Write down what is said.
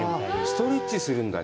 ストレッチするんだ。